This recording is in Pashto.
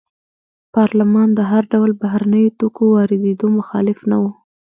پارلمان د هر ډول بهرنیو توکو واردېدو مخالف نه و.